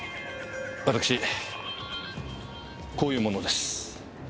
私こういう者です。